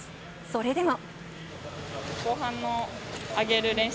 それでも。